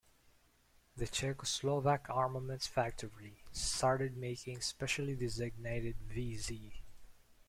The Czechoslovak Armaments Factory started making specially designated vz.